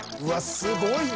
すごいな。